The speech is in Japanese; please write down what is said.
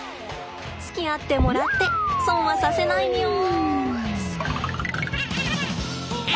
つきあってもらって損はさせないみょん。